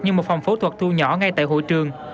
như một phòng phẫu thuật thu nhỏ ngay tại hội trường